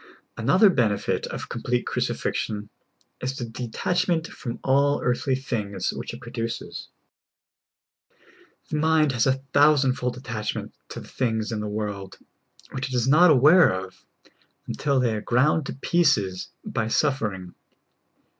Another benefit of complete crucifixion 2s the de tachment from all earthly things which it produces. The mind has a thousand fold attachment to the things in this world, which it is not aware of until they are ground to pieces by suffering.